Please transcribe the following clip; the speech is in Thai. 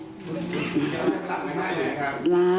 จริงหรือไม่